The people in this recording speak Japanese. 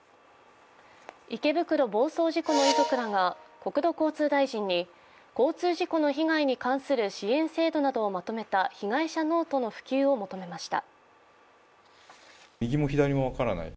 池袋暴走事故の遺族らが国土交通大臣に交通事故の被害に関する支援制度などをまとめた被害者ノートの普及を求めました。